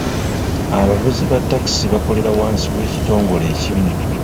Abavuzi ba taxi bakolera wansi w'ekitongole ekimu.